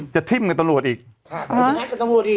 จะทิ้งกับตำรวจอีกอ๋อต่างัดกับตำรวจอีก